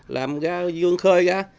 làm ra dương khơi ra